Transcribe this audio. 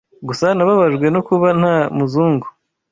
Gusa nababajwe no kuba nta muzungu